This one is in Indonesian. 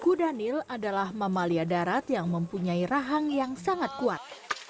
kudanil adalah mamalia darat yang mempunyai rahang yang sangat kuat